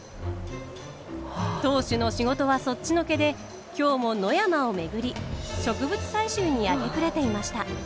当主の仕事はそっちのけで今日も野山を巡り植物採集に明け暮れていました。